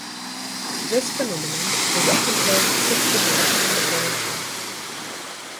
This phenomenon is often called "Six degrees of separation".